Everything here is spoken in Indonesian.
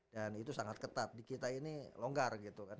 dan itu sangat ketat di kita ini longgar gitu kan